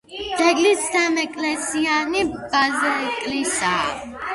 ძეგლი სამეკლესიიანი ბაზილიკაა.